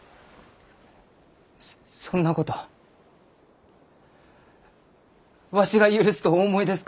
そそんなことわしが許すとお思いですか？